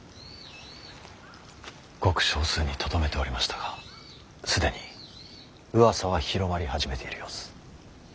ごく少数にとどめておりましたが既にうわさは広まり始めている様子。